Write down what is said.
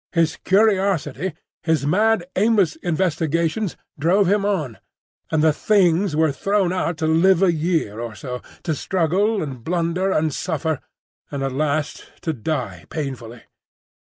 His curiosity, his mad, aimless investigations, drove him on; and the Things were thrown out to live a year or so, to struggle and blunder and suffer, and at last to die painfully.